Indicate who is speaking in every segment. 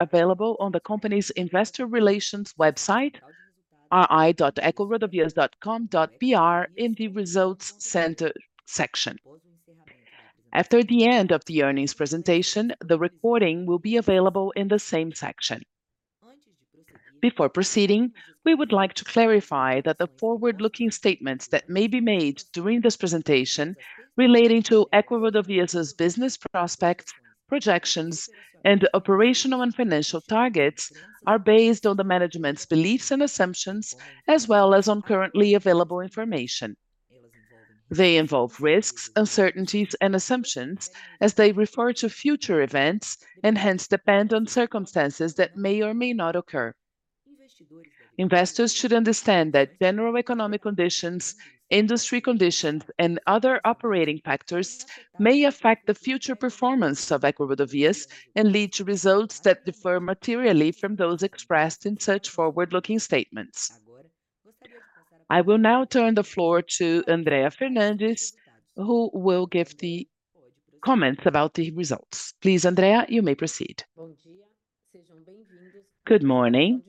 Speaker 1: Available on the company's investor relations website, ri.ecorodovias.com.br, in the Results Center section. After the end of the earnings presentation, the recording will be available in the same section. Before proceeding, we would like to clarify that the forward-looking statements that may be made during this presentation relating to EcoRodovias' business prospects, projections, and operational and financial targets are based on the management's beliefs and assumptions, as well as on currently available information. They involve risks, uncertainties, and assumptions, as they refer to future events and hence depend on circumstances that may or may not occur. Investors should understand that general economic conditions, industry conditions, and other operating factors may affect the future performance of EcoRodovias and lead to results that differ materially from those expressed in such forward-looking statements. I will now turn the floor to Andrea Fernandes, who will give the comments about the results. Please, Andrea, you may proceed.
Speaker 2: Good morning.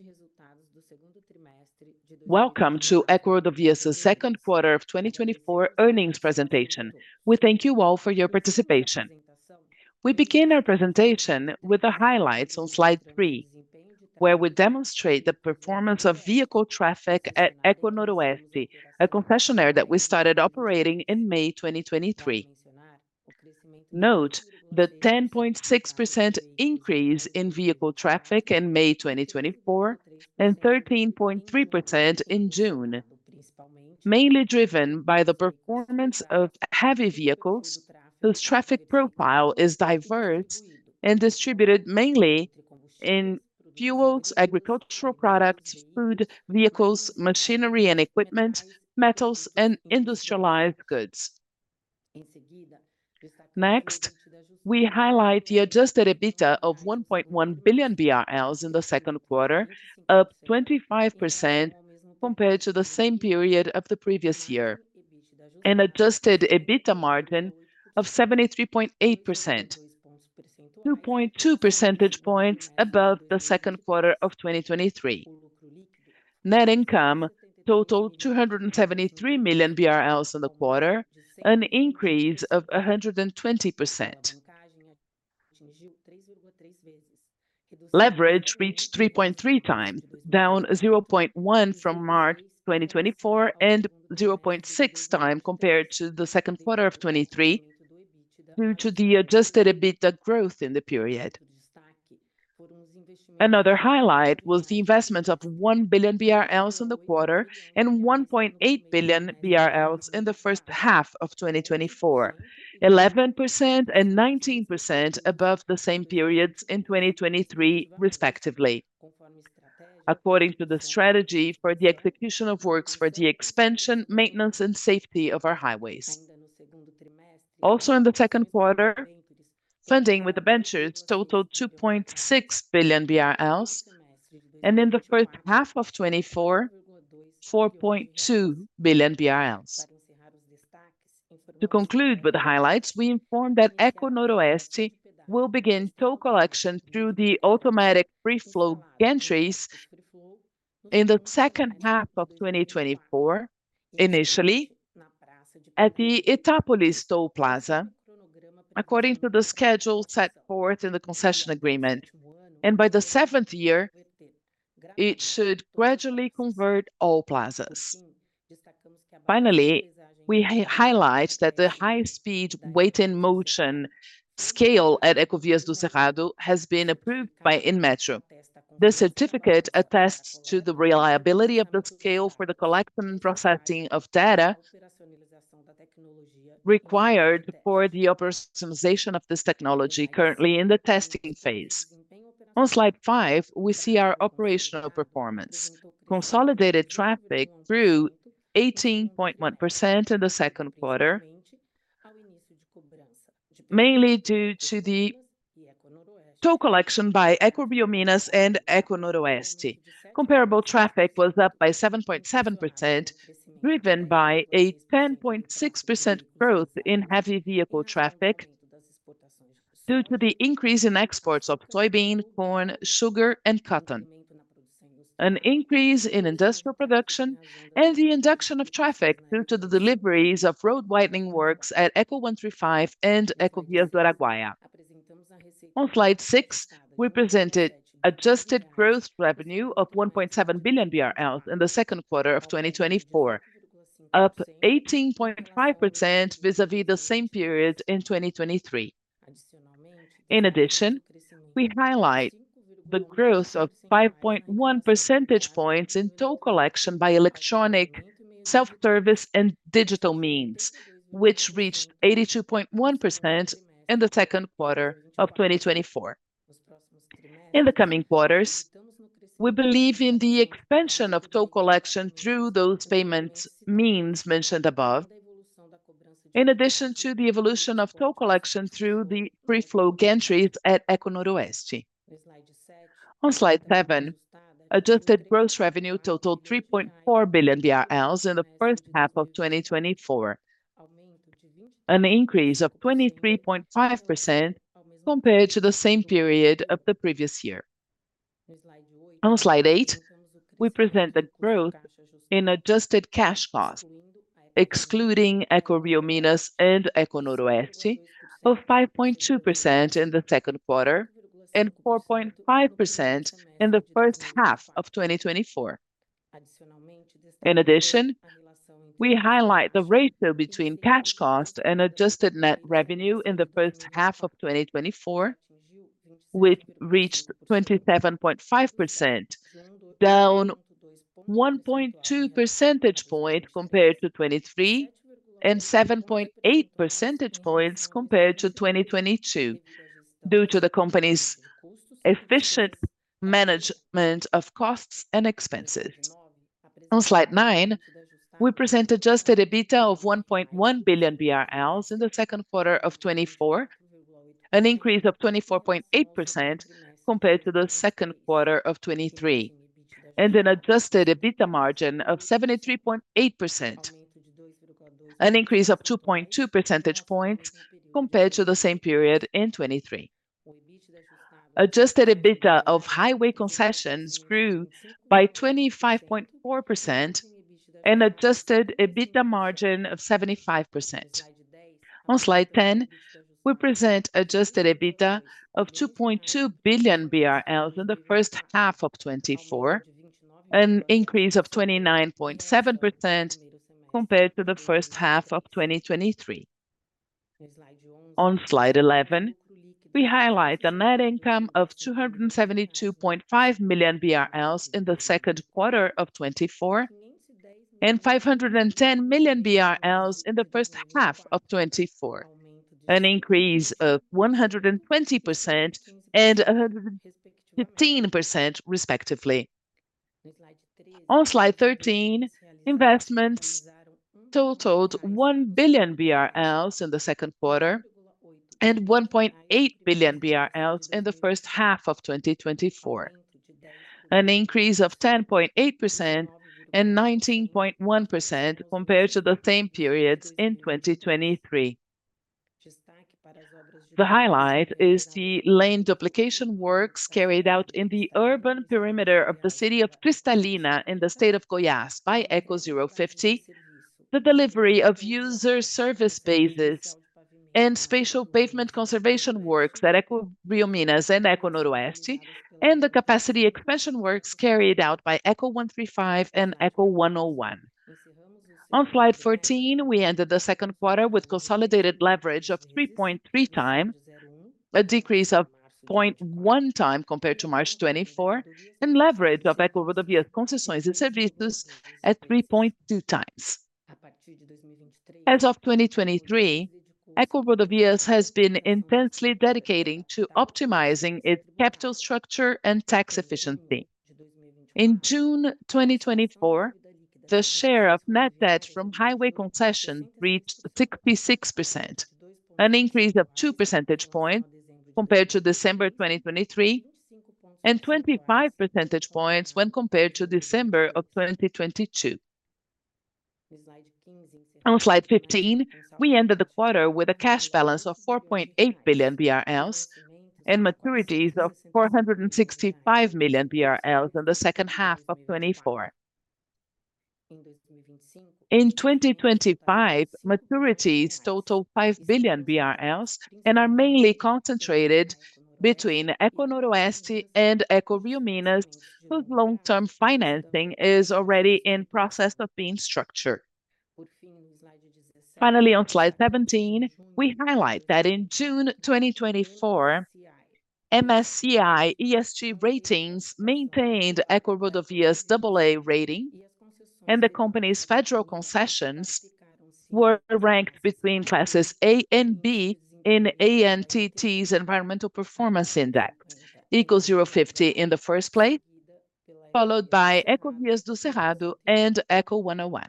Speaker 2: Welcome to EcoRodovias' second quarter of 2024 earnings presentation. We thank you all for your participation. We begin our presentation with the highlights on slide 3, where we demonstrate the performance of vehicle traffic at EcoNoroeste, a concessionaire that we started operating in May 2023. Note the 10.6% increase in vehicle traffic in May 2024 and 13.3% in June, mainly driven by the performance of heavy vehicles, whose traffic profile is diverse and distributed mainly in fuels, agricultural products, food, vehicles, machinery and equipment, metals, and industrialized goods. Next, we highlight the adjusted EBITDA of 1.1 billion BRL in the second quarter, up 25% compared to the same period of the previous year, and adjusted EBITDA margin of 73.8%, 2.2 percentage points above the second quarter of 2023. Net income totaled 273 million BRL in the quarter, an increase of 120%. Leverage reached 3.3x, down 0.1 from March 2024 and 0.6x compared to the second quarter of 2023, due to the adjusted EBITDA growth in the period. Another highlight was the investment of 1 billion BRL in the quarter and 1.8 billion BRL in the first half of 2024, 11% and 19% above the same periods in 2023, respectively, according to the strategy for the execution of works for the expansion, maintenance, and safety of our highways. Also, in the second quarter, funding with the ventures totaled 2.6 billion BRL, and in the first half of 2024, 4.2 billion BRL. To conclude with the highlights, we inform that EcoNoroeste will begin toll collection through the automatic free-flow gantries in the second half of 2024, initially at the Itápolis Toll Plaza, according to the schedule set forth in the concession agreement, and by the seventh year, it should gradually convert all plazas. Finally, we highlight that the high-speed weigh-in-motion scale at EcoVias do Cerrado has been approved by Inmetro. This certificate attests to the reliability of the scale for the collection and processing of data required for the operationalization of this technology, currently in the testing phase. On slide 5, we see our operational performance: consolidated traffic grew 18.1% in the second quarter, mainly due to the toll collection by EcoRioMinas and EcoNoroeste. Comparable traffic was up by 7.7%, driven by a 10.6% growth in heavy vehicle traffic due to the increase in exports of soybean, corn, sugar, and cotton, an increase in industrial production, and the induction of traffic due to the deliveries of road widening works at Eco135 and EcoVias do Araguaia. On slide six, we presented adjusted gross revenue of 1.7 billion BRL in the second quarter of 2024, up 18.5% vis-à-vis the same period in 2023. In addition, we highlight the growth of 5.1 percentage points in toll collection by electronic, self-service, and digital means, which reached 82.1% in the second quarter of 2024. In the coming quarters, we believe in the expansion of toll collection through those payment means mentioned above, in addition to the evolution of toll collection through the free-flow gantries at EcoNoroeste. On slide 7, adjusted gross revenue totaled 3.4 billion in the first half of 2024, an increase of 23.5% compared to the same period of the previous year. On slide 8, we present the growth in adjusted cash cost, excluding EcoRioMinas and EcoNoroeste, of 5.2% in the second quarter and 4.5% in the first half of 2024. In addition, we highlight the ratio between cash cost and adjusted net revenue in the first half of 2024, which reached 27.5%, down 1.2 percentage points compared to 2023, and 7.8 percentage points compared to 2022, due to the company's efficient management of costs and expenses. On slide 9, we present adjusted EBITDA of 1.1 billion BRL in the second quarter of 2024, an increase of 24.8% compared to the second quarter of 2023, and an adjusted EBITDA margin of 73.8%, an increase of 2.2 percentage points compared to the same period in 2023. Adjusted EBITDA of highway concessions grew by 25.4% and adjusted EBITDA margin of 75%. On slide 10, we present adjusted EBITDA of 2.2 billion BRL in the first half of 2024, an increase of 29.7% compared to the first half of 2023. On slide 11, we highlight the net income of 272.5 million BRL in the second quarter of 2024 and 510 million BRL in the first half of 2024, an increase of 120% and 115%, respectively. On slide 13, investments totaled 1 billion BRL in the second quarter and 1.8 billion BRL in the first half of 2024, an increase of 10.8% and 19.1% compared to the same periods in 2023. The highlight is the lane duplication works carried out in the urban perimeter of the city of Cristalina in the state of Goiás by Eco050, the delivery of user service bases and spatial pavement conservation works at EcoRioMinas and EcoNoroeste, and the capacity expansion works carried out by Eco135 and Eco101. On slide 14, we ended the second quarter with consolidated leverage of 3.3 times, a decrease of 0.1 time compared to March 2024, and leverage of EcoRodovias Concessões e Serviços at 3.2 times. As of 2023, EcoRodovias has been intensely dedicated to optimizing its capital structure and tax efficiency. In June 2024, the share of net debt from highway concessions reached 66%, an increase of 2 percentage points compared to December 2023, and 25 percentage points when compared to December 2022. On slide 15, we ended the quarter with a cash balance of 4.8 billion BRL and maturities of 465 million BRL in the second half of 2024. In 2025, maturities totaled 5 billion BRL and are mainly concentrated between EcoNoroeste and EcoRioMinas, whose long-term financing is already in process of being structured. Finally, on slide 17, we highlight that in June 2024, MSCI ESG ratings maintained EcoRodovias AA rating, and the company's federal concessions were ranked between classes A and B in ANTT's Environmental Performance Index, Eco050 in the first place, followed by EcoVias do Cerrado and Eco101.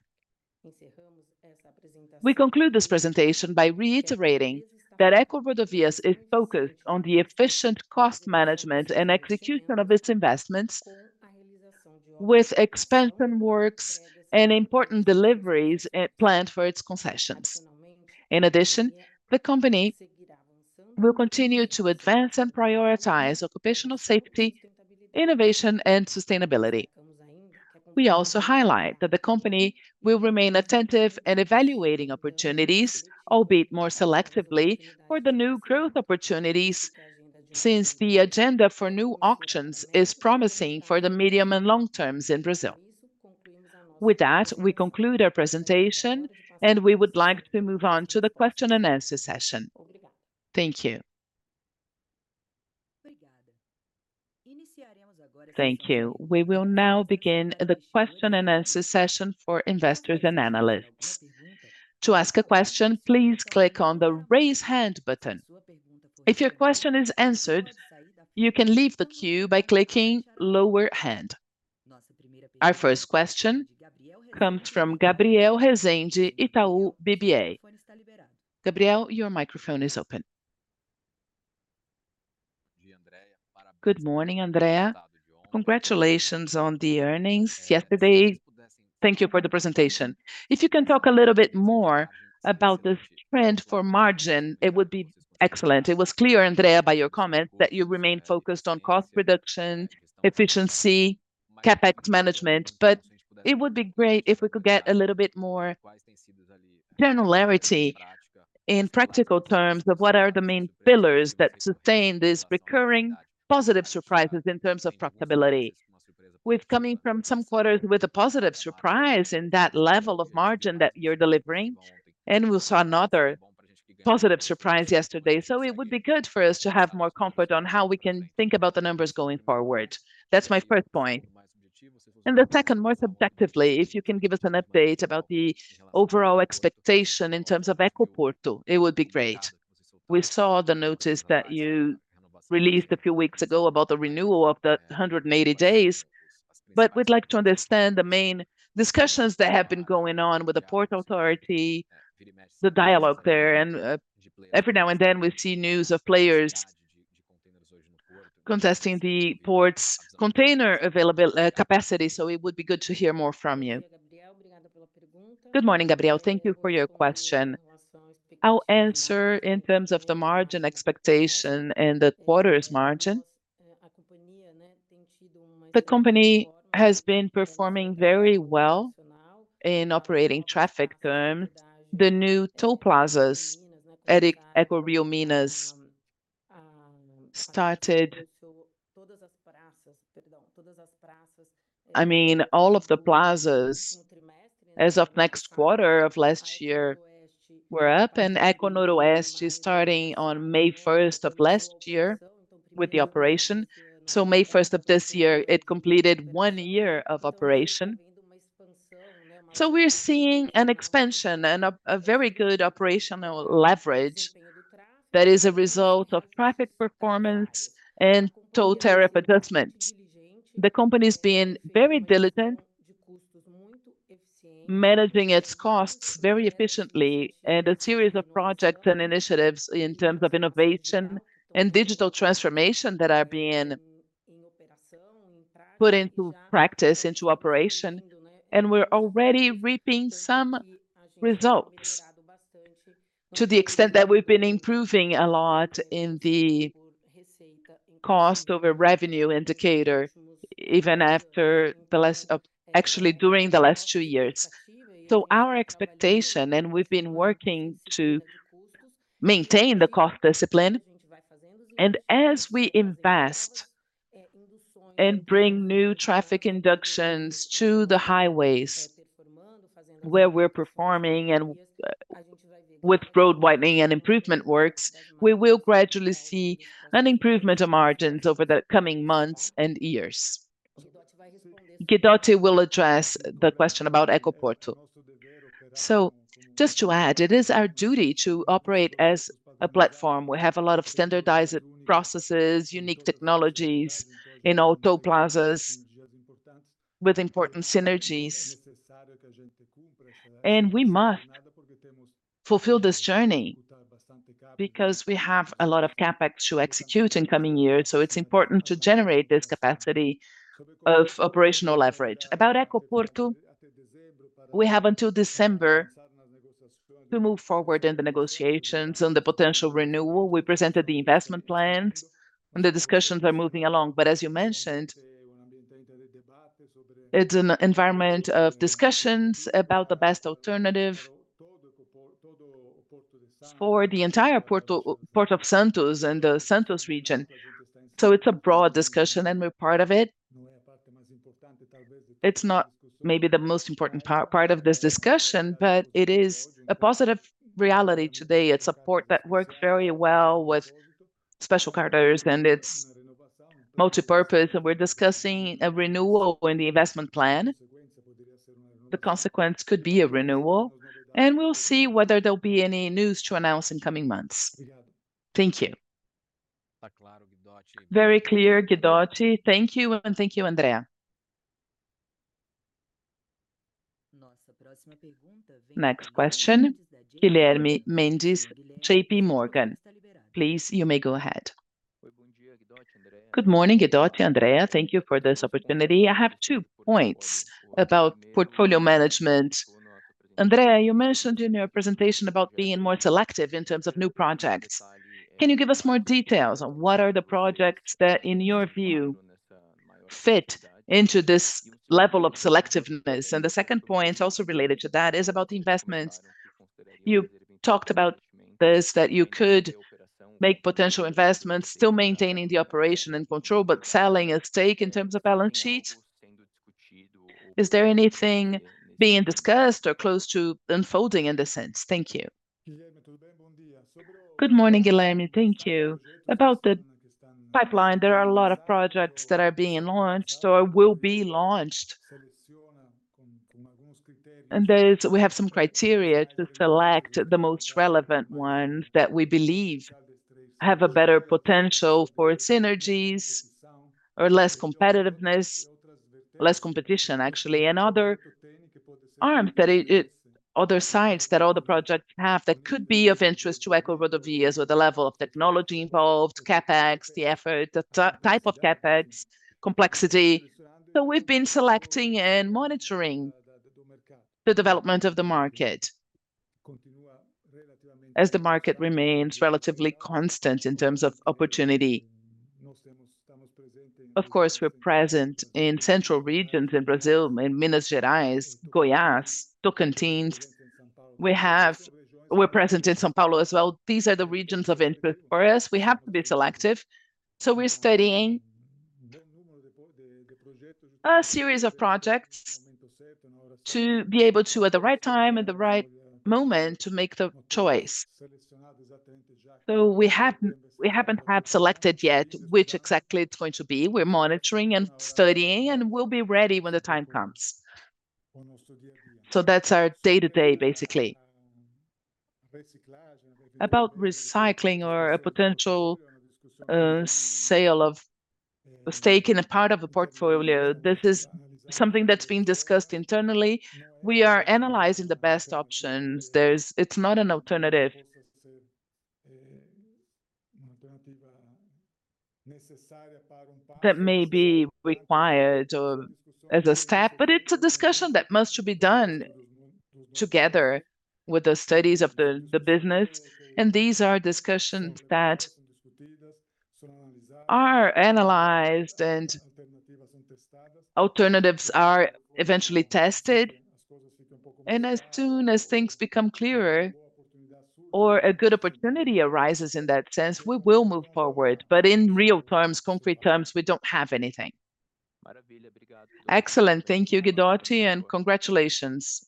Speaker 2: We conclude this presentation by reiterating that EcoRodovias is focused on the efficient cost management and execution of its investments, with expansion works and important deliveries planned for its concessions. In addition, the company will continue to advance and prioritize occupational safety, innovation, and sustainability. We also highlight that the company will remain attentive and evaluating opportunities, albeit more selectively, for the new growth opportunities since the agenda for new auctions is promising for the medium and long terms in Brazil.With that, we conclude our presentation, and we would like to move on to the question and answer session. Thank you.
Speaker 1: Thank you. We will now begin the question and answer session for investors and analysts. To ask a question, please click on the raise hand button. If your question is answered, you can leave the queue by clicking lower hand. Our first question comes from Gabriel Rezende, Itaú BBA. Gabriel, your microphone is open.
Speaker 3: Good morning, Andrea. Congratulations on the earnings yesterday. Thank you for the presentation. If you can talk a little bit more about this trend for margin, it would be excellent. It was clear, Andrea, by your comments that you remain focused on cost reduction, efficiency, CapEx management, but it would be great if we could get a little bit more granularity in practical terms of what are the main pillars that sustain these recurring positive surprises in terms of profitability. We've come in from some quarters with a positive surprise in that level of margin that you're delivering, and we saw another positive surprise yesterday, so it would be good for us to have more comfort on how we can think about the numbers going forward. That's my first point. The second, more subjectively, if you can give us an update about the overall expectation in terms of Ecoporto, it would be great. We saw the notice that you released a few weeks ago about the renewal of the 180 days, but we'd like to understand the main discussions that have been going on with the Port Authority, the dialogue there, and every now and then we see news of players contesting the port's container availability capacity, so it would be good to hear more from you.
Speaker 4: Good morning, Gabriel. Thank you for your question. I'll answer in terms of the margin expectation and the quarter's margin. The company has been performing very well in operating traffic terms. The new toll plazas at EcoRioMinas, I mean, all of the plazas as of next quarter of last year were up, and EcoNoroeste, starting on May 1st of last year with the operation, so May 1st of this year, it completed one year of operation. So we're seeing an expansion and a very good operational leverage that is a result of traffic performance and toll tariff adjustments. The company's been very diligent managing its costs very efficiently and a series of projects and initiatives in terms of innovation and digital transformation that are being put into practice, into operation, and we're already reaping some results to the extent that we've been improving a lot in the cost over revenue indicator, even after the last, actually during the last two years. So our expectation, and we've been working to maintain the cost discipline, and as we invest and bring new traffic inductions to the highways where we're performing and with road widening and improvement works, we will gradually see an improvement of margins over the coming months and years. Guidotti will address the question about Ecoporto. So just to add, it is our duty to operate as a platform. We have a lot of standardized processes, unique technologies in all toll plazas with important synergies, and we must fulfill this journey because we have a lot of CapEx to execute in coming years, so it's important to generate this capacity of operational leverage. About Ecoporto, we have until December to move forward in the negotiations on the potential renewal. We presented the investment plans, and the discussions are moving along, but as you mentioned, it's an environment of discussions about the best alternative for the entire Port of Santos and the Santos region. So it's a broad discussion, and we're part of it. It's not maybe the most important part of this discussion, but it is a positive reality today. It's a port that works very well with special carriers, and it's multipurpose, and we're discussing a renewal in the investment plan. The consequence could be a renewal, and we'll see whether there'll be any news to announce in coming months.
Speaker 3: Thank you. Very clear, Guidotti. Thank you, and thank you, Andrea.
Speaker 1: Next question, Guilherme Mendes, J.P. Morgan. Please, you may go ahead.
Speaker 5: Good morning, Guidotti, Andrea. Thank you for this opportunity. I have two points about portfolio management. Andrea, you mentioned in your presentation about being more selective in terms of new projects. Can you give us more details on what are the projects that, in your view, fit into this level of selectiveness? The second point, also related to that, is about the investments. You talked about this, that you could make potential investments, still maintaining the operation and control, but selling a stake in terms of balance sheet. Is there anything being discussed or close to unfolding in this sense? Thank you.
Speaker 2: Good morning, Guilherme. Thank you. About the pipeline, there are a lot of projects that are being launched or will be launched. We have some criteria to select the most relevant ones that we believe have a better potential for synergies or less competitiveness, less competition, actually, and other arms that other sites that all the projects have that could be of interest to EcoRodovias or the level of technology involved, CapEx, the effort, the type of CapEx, complexity. So we've been selecting and monitoring the development of the market as the market remains relatively constant in terms of opportunity. Of course, we're present in central regions in Brazil, in Minas Gerais, Goiás, Tocantins. We're present in São Paulo as well. These are the regions of interest for us. We have to be selective. So we're studying a series of projects to be able to, at the right time, at the right moment, to make the choice. So we haven't had selected yet which exactly it's going to be. We're monitoring and studying, and we'll be ready when the time comes. So that's our day-to-day, basically. About recycling or a potential sale of a stake in a part of the portfolio, this is something that's being discussed internally. We are analyzing the best options. It's not an alternative that may be required as a step, but it's a discussion that must be done together with the studies of the business. And these are discussions that are analyzed, and alternatives are eventually tested. And as soon as things become clearer or a good opportunity arises in that sense, we will move forward. But in real terms, concrete terms, we don't have anything. Excellent. Thank you, Guidotti, and congratulations.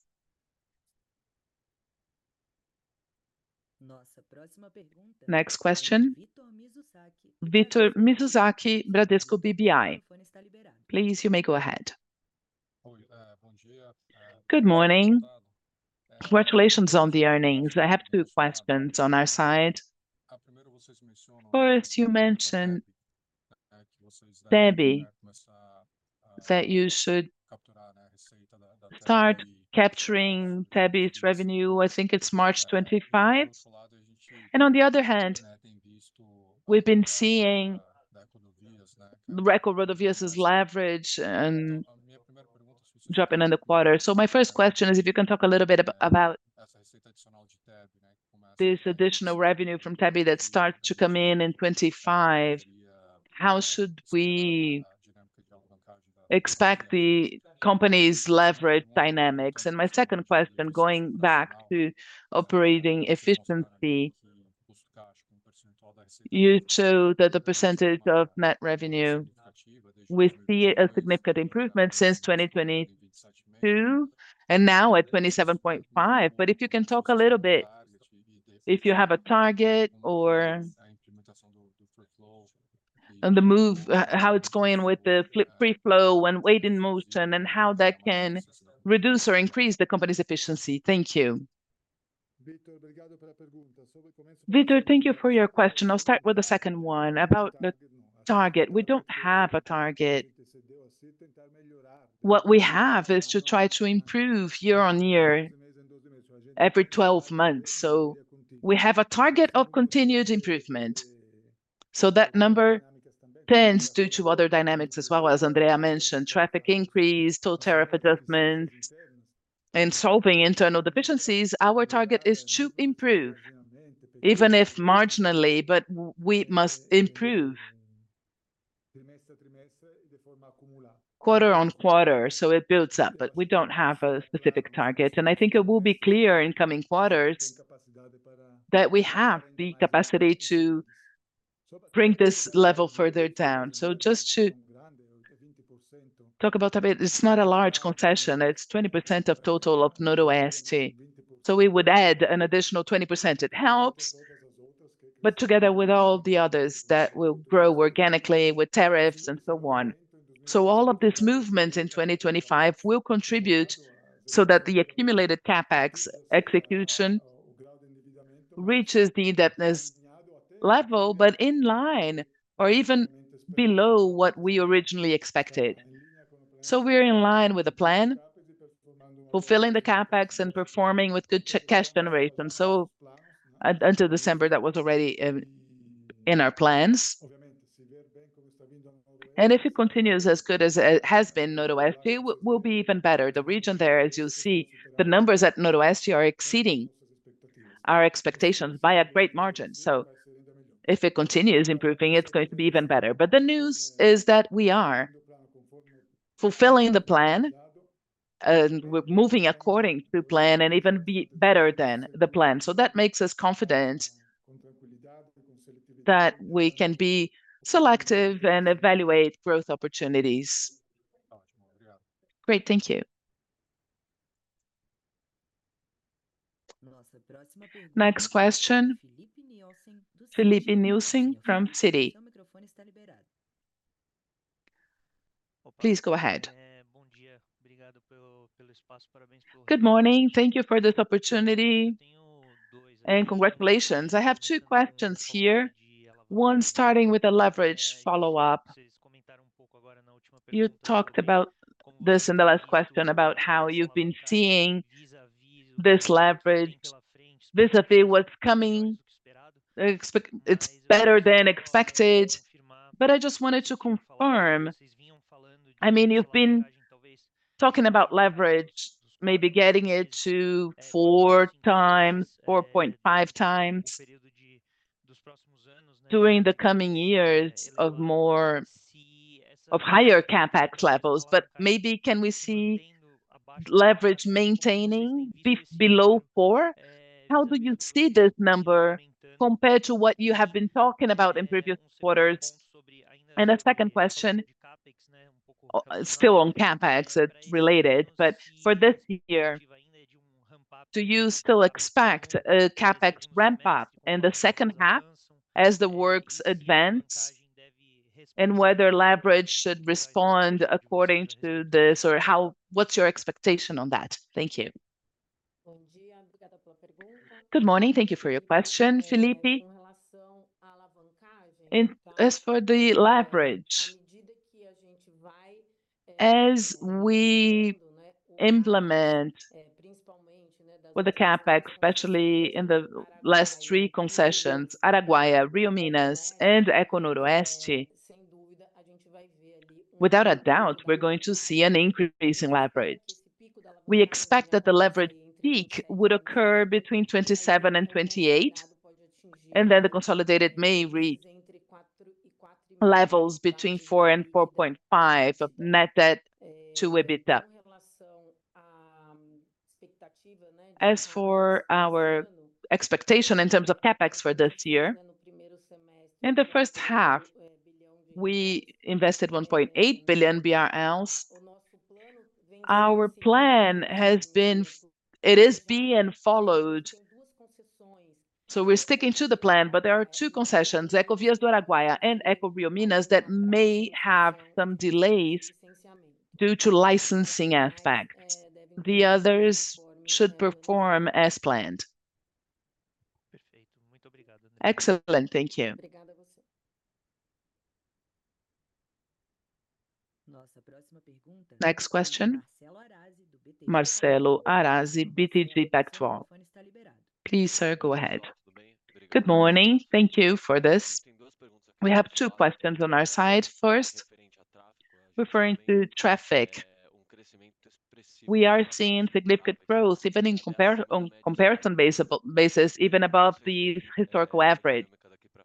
Speaker 2: Next question. Vitor Mizuzaki, Bradesco BBI. Please, you may go ahead. Good morning. Congratulations on the earnings. I have two questions on our side. First, you mentioned TEBE that you should start capturing TEBE's revenue. I think it's March 2025. On the other hand, we've been seeing the EcoRodovias' leverage is dropping in the quarter. So my first question is if you can talk a little bit about this additional revenue from TEBE that starts to come in in 2025, how should we expect the company's leverage dynamics? And my second question, going back to operating efficiency, you showed that the percentage of net revenue, we see a significant improvement since 2022 and now at 27.5%. But if you can talk a little bit, if you have a target or the move, how it's going with the free-flow and weigh-in-motion and how that can reduce or increase the company's efficiency. Thank you. Vitor, thank you for your question. I'll start with the second one about the target. We don't have a target. What we have is to try to improve year-over-year every 12 months. So we have a target of continued improvement. So that number tends due to other dynamics as well, as Andrea mentioned, traffic increase, toll tariff adjustments, and solving internal deficiencies. Our target is to improve, even if marginally, but we must improve quarter-over-quarter. So it builds up, but we don't have a specific target. And I think it will be clear in coming quarters that we have the capacity to bring this level further down. So just to talk about a bit, it's not a large concession. It's 20% of total of Noroteste. So we would add an additional 20%. It helps, but together with all the others that will grow organically with tariffs and so on. So all of this movement in 2025 will contribute so that the accumulated CapEx execution reaches the indebtedness level, but in line or even below what we originally expected. So we're in line with the plan, fulfilling the CapEx and performing with good cash generation. So until December, that was already in our plans. And if it continues as good as it has been, Noroeste will be even better. The region there, as you'll see, the numbers at Noroeste are exceeding our expectations by a great margin. So if it continues improving, it's going to be even better. But the news is that we are fulfilling the plan and we're moving according to plan and even better than the plan. So that makes us confident that we can be selective and evaluate growth opportunities.
Speaker 6: Great, thank you.
Speaker 1: Next question. Filipe Nielsen from Citi. Please go ahead.
Speaker 7: Good morning. Thank you for this opportunity. And congratulations. I have two questions here, one starting with a leverage follow-up. You talked about this in the last question about how you've been seeing this leverage vis-à-vis what's coming. It's better than expected, but I just wanted to confirm. I mean, you've been talking about leverage, maybe getting it to 4x, 4.5x during the coming years of higher CapEx levels. But maybe can we see leverage maintaining below 4? How do you see this number compared to what you have been talking about in previous quarters? And a second question, still on CapEx, it's related, but for this year, do you still expect a CapEx ramp-up in the second half as the works advance and whether leverage should respond according to this or how, what's your expectation on that? Thank you.
Speaker 2: Good morning. Thank you for your question, Filipe. As for the leverage, as we implement with the CapEx, especially in the last three concessions, Araguaia, RioMinas, and EcoNoroeste, without a doubt, we're going to see an increase in leverage. We expect that the leverage peak would occur between 2027 and 2028, and then the consolidated may reach levels between 4-4.5 of net debt to EBITDA. As for our expectation in terms of CapEx for this year, in the first half, we invested 1.8 billion BRL. Our plan has been, it is being followed. So we're sticking to the plan, but there are two concessions, EcoVias do Araguaia and EcoRioMinas, that may have some delays due to licensing aspects. The others should perform as planned.
Speaker 7: Excellent. Thank you.
Speaker 1: Next question. Marcelo Arazi, BTG Pactual. Please, sir, go ahead.
Speaker 8: Good morning. Thank you for this. We have two questions on our side. First, referring to traffic, we are seeing significant growth, even in comparison basis, even above the historical average.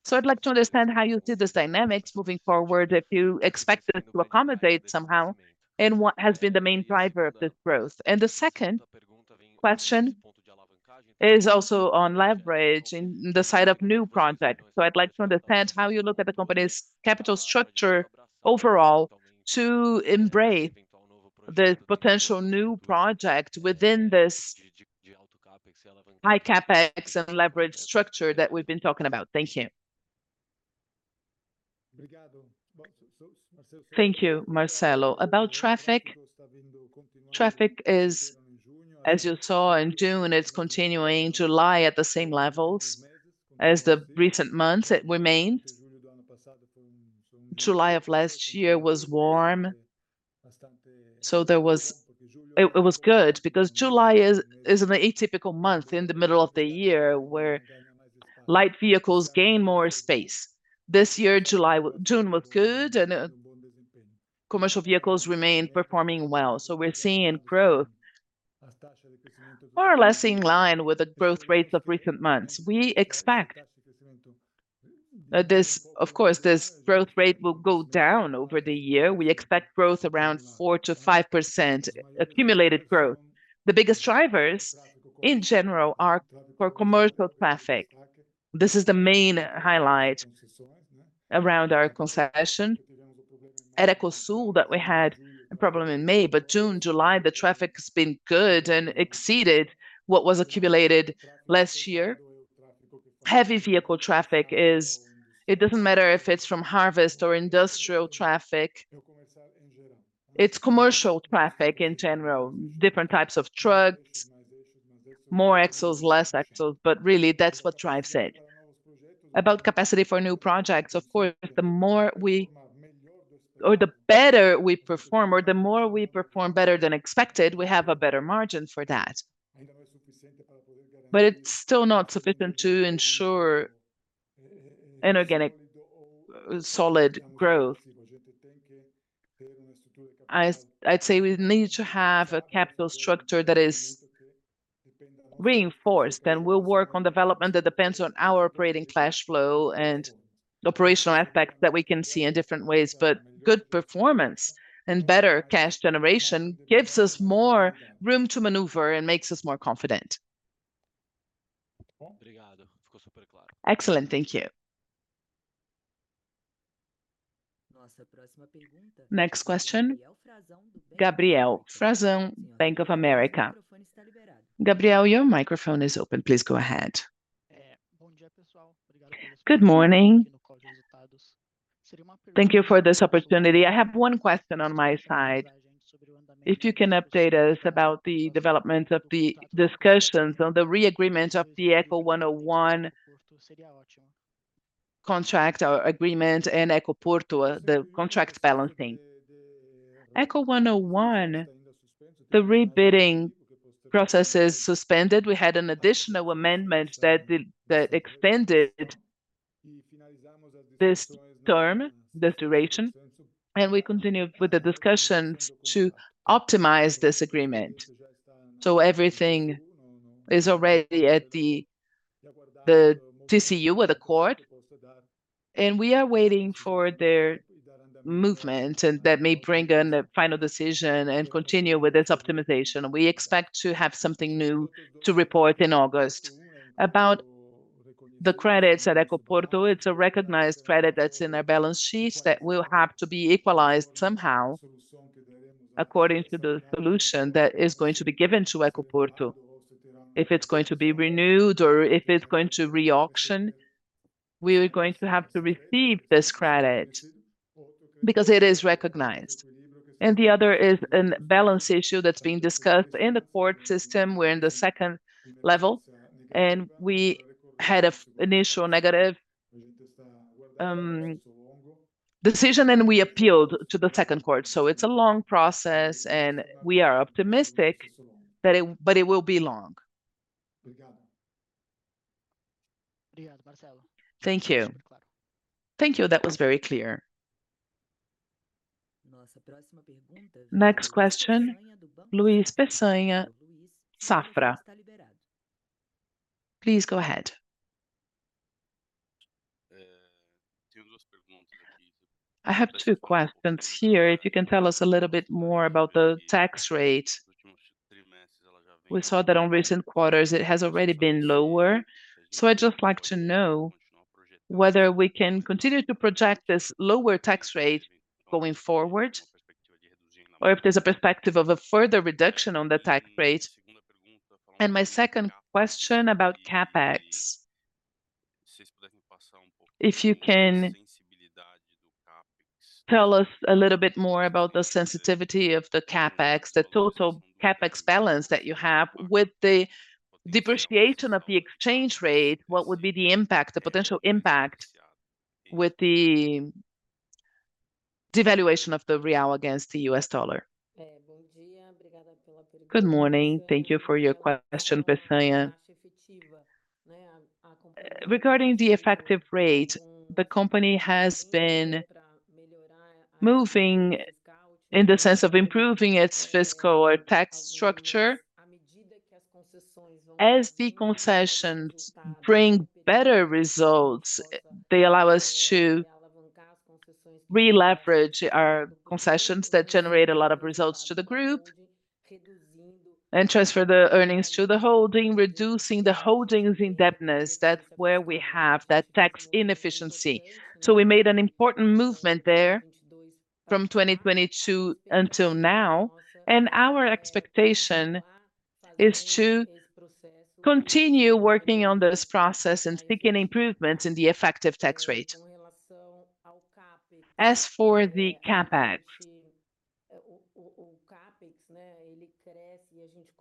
Speaker 8: So I'd like to understand how you see this dynamics moving forward, if you expect it to accommodate somehow, and what has been the main driver of this growth. And the second question is also on leverage in the side of new projects. So I'd like to understand how you look at the company's capital structure overall to embrace the potential new projects within this high CapEx and leverage structure that we've been talking about. Thank you.
Speaker 2: Thank you, Marcelo. About traffic, traffic is, as you saw in June, it's continuing July at the same levels as the recent months it remained. July of last year was warm, so it was good because July is an atypical month in the middle of the year where light vehicles gain more space. This year, June was good, and commercial vehicles remained performing well. So we're seeing growth more or less in line with the growth rates of recent months. We expect this, of course, this growth rate will go down over the year. We expect growth around 4%-5% accumulated growth. The biggest drivers in general are for commercial traffic. This is the main highlight around our concession. At EcoSul, that we had a problem in May, but June, July, the traffic has been good and exceeded what was accumulated last year. Heavy vehicle traffic is, it doesn't matter if it's from harvest or industrial traffic. It's commercial traffic in general, different types of trucks, more axles, less axles, but really that's what drives it. About capacity for new projects, of course, the more we or the better we perform, or the more we perform better than expected, we have a better margin for that. But it's still not sufficient to ensure an organic solid growth. I'd say we need to have a capital structure that is reinforced, and we'll work on development that depends on our operating cash flow and operational aspects that we can see in different ways. But good performance and better cash generation gives us more room to maneuver and makes us more confident.
Speaker 8: Excellent. Thank you.
Speaker 1: Next question. Gabriel Frazão, Bank of America. Gabriel, your microphone is open. Please go ahead.
Speaker 9: Good morning. Thank you for this opportunity. I have one question on my side. If you can update us about the development of the discussions on the re-agreement of the Eco101 contract or agreement and EcoPorto, the contract balancing?
Speaker 2: Eco101, the rebidding process is suspended. We had an additional amendment that extended this term, this duration, and we continue with the discussions to optimize this agreement. So everything is already at the TCU or the court, and we are waiting for their movement, and that may bring in the final decision and continue with this optimization. We expect to have something new to report in August about the credits at EcoPorto. It's a recognized credit that's in our balance sheets that will have to be equalized somehow according to the solution that is going to be given to EcoPorto. If it's going to be renewed or if it's going to reauction, we are going to have to receive this credit because it is recognized. And the other is a balance issue that's being discussed in the court system. We're in the second level, and we had an initial negative decision, and we appealed to the Second Court. So it's a long process, and we are optimistic, but it will be long.
Speaker 9: Thank you. Thank you. That was very clear.
Speaker 1: Next question. Luiz Peçanha, Safra. Please go ahead.
Speaker 10: I have two questions here. If you can tell us a little bit more about the tax rate? We saw that on recent quarters, it has already been lower. So I'd just like to know whether we can continue to project this lower tax rate going forward, or if there's a perspective of a further reduction on the tax rate. My second question about CapEx, if you can tell us a little bit more about the sensitivity of the CapEx, the total CapEx balance that you have with the depreciation of the exchange rate, what would be the impact, the potential impact with the devaluation of the real against the US dollar?
Speaker 2: Good morning. Thank you for your question, Peçanha. Regarding the effective rate, the company has been moving in the sense of improving its fiscal or tax structure. As the concessions bring better results, they allow us to re-leverage our concessions that generate a lot of results to the group and transfer the earnings to the holding, reducing the holding's indebtedness. That's where we have that tax inefficiency. So we made an important movement there from 2022 until now, and our expectation is to continue working on this process and seeking improvements in the effective tax rate. As for the CapEx,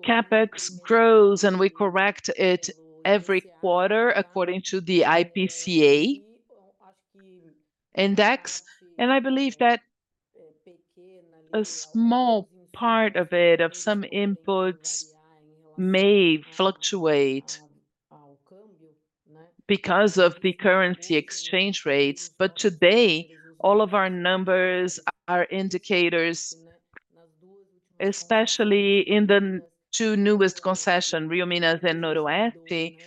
Speaker 2: CapEx grows, and we correct it every quarter according to the IPCA index. I believe that a small part of it, of some inputs, may fluctuate because of the currency exchange rates. But today, all of our numbers are indicators, especially in the two newest concessions, EcoRioMinas and EcoNoroeste,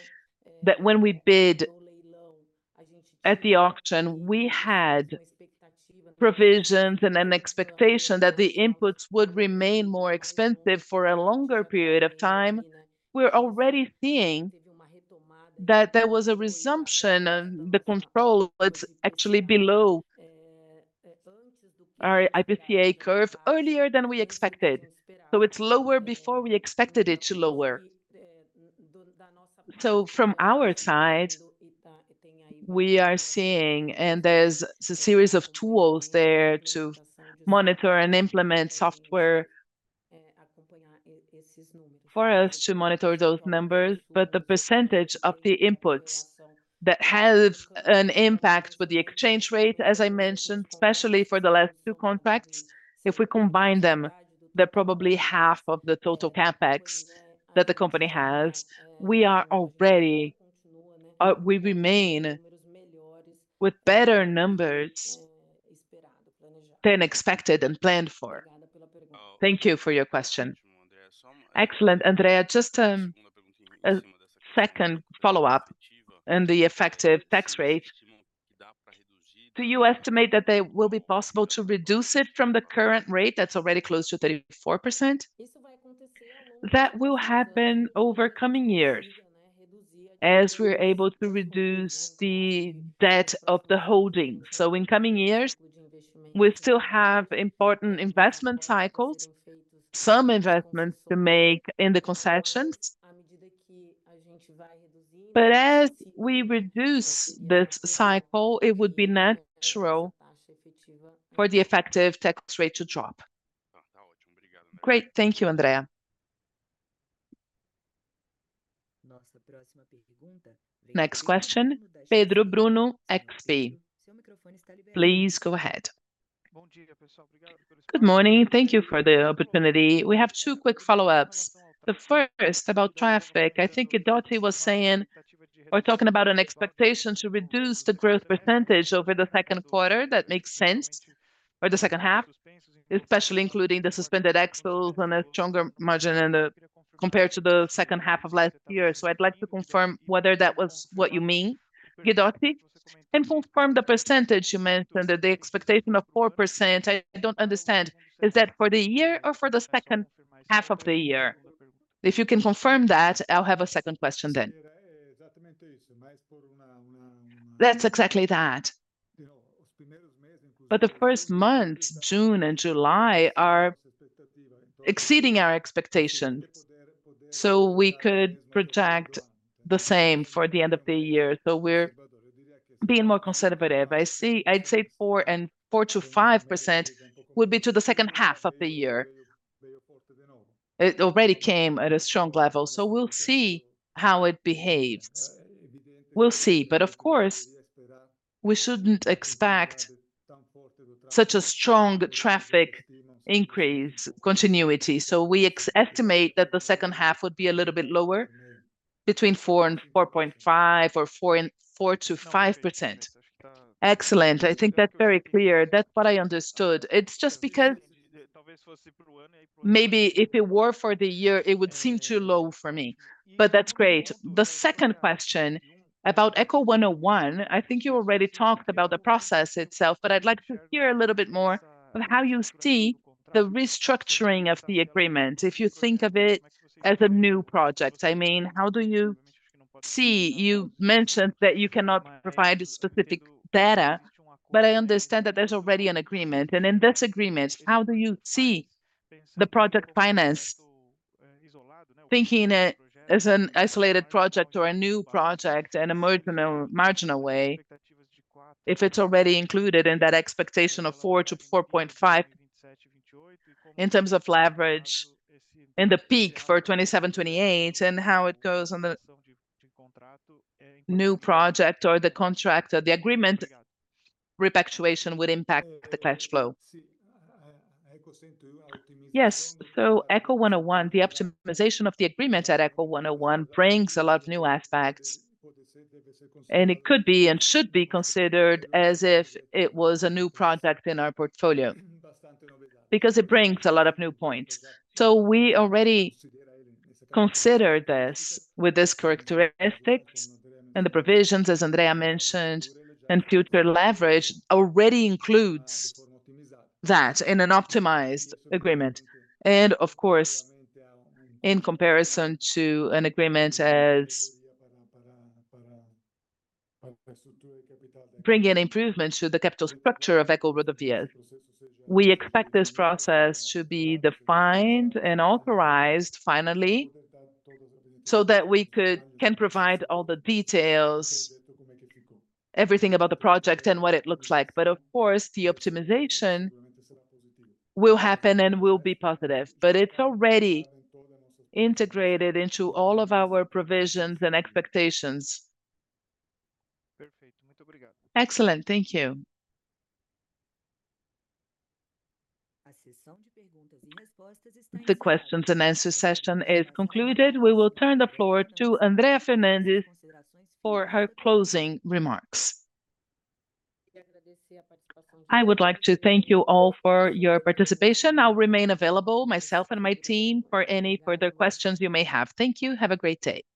Speaker 2: that when we bid at the auction, we had provisions and an expectation that the inputs would remain more expensive for a longer period of time. We're already seeing that there was a resumption of the control that's actually below our IPCA curve earlier than we expected. So it's lower before we expected it to lower. So from our side, we are seeing, and there's a series of tools there to monitor and implement software for us to monitor those numbers. But the percentage of the inputs that have an impact with the exchange rate, as I mentioned, especially for the last two contracts, if we combine them, they're probably half of the total CapEx that the company has. We are already, we remain with better numbers than expected and planned for. Thank you for your question.
Speaker 10: Excellent. Andrea, just a second follow-up on the effective tax rate. Do you estimate that it will be possible to reduce it from the current rate that's already close to 34%?
Speaker 2: That will happen over coming years as we're able to reduce the debt of the holdings. So in coming years, we still have important investment cycles, some investments to make in the concessions. But as we reduce this cycle, it would be natural for the effective tax rate to drop.
Speaker 10: Great. Thank you, Andrea.
Speaker 1: Next question. Pedro Bruno, XP. Please go ahead.
Speaker 11: Good morning. Thank you for the opportunity. We have two quick follow-ups. The first about traffic. I think Guidotti was saying or talking about an expectation to reduce the growth percentage over the second quarter. That makes sense, or the second half, especially including the suspended axles and a stronger margin compared to the second half of last year. So I'd like to confirm whether that was what you mean, Guidotti, and confirm the percentage you mentioned that the expectation of 4%. I don't understand, is that for the year or for the second half of the year? If you can confirm that, I'll have a second question then.
Speaker 2: That's exactly that. But the first months, June and July, are exceeding our expectations. So we could project the same for the end of the year. So we're being more conservative. I'd say 4% and 4%-5% would be to the second half of the year. It already came at a strong level. So we'll see how it behaves. We'll see. But of course, we shouldn't expect such a strong traffic increase continuity. So we estimate that the second half would be a little bit lower, between 4% and 4.5% or 4%-5%.
Speaker 11: Excellent. I think that's very clear. That's what I understood. It's just because maybe if it were for the year, it would seem too low for me. But that's great. The second question about Eco101, I think you already talked about the process itself, but I'd like to hear a little bit more of how you see the restructuring of the agreement, if you think of it as a new project. I mean, how do you see? You mentioned that you cannot provide specific data, but I understand that there's already an agreement. And in this agreement, how do you see the project finance, thinking as an isolated project or a new project and emerging in a marginal way, if it's already included in that expectation of 4%-4.5% in terms of leverage in the peak for 2027-2028 and how it goes on the new project or the contract, the agreement repactuation would impact the cash flow?
Speaker 2: Yes. So Eco101, the optimization of the agreement at Eco101 brings a lot of new aspects, and it could be and should be considered as if it was a new project in our portfolio because it brings a lot of new points. So we already consider this with these characteristics and the provisions, as Andrea mentioned, and future leverage already includes that in an optimized agreement. And of course, in comparison to an agreement as bringing improvements to the capital structure of EcoRodovias, we expect this process to be defined and authorized finally so that we can provide all the details, everything about the project and what it looks like. But of course, the optimization will happen and will be positive, but it's already integrated into all of our provisions and expectations.
Speaker 11: Excellent. Thank you.
Speaker 1: The questions and answers session is concluded. We will turn the floor to Andrea Fernandes for her closing remarks.
Speaker 2: I would like to thank you all for your participation. I'll remain available, myself and my team, for any further questions you may have. Thank you. Have a great day.